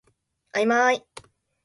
あいまい